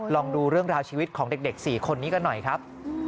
ลองดูเรื่องราวชีวิตของเด็ก๔คนนี้กันหน่อยครับ